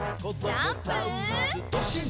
ジャンプ！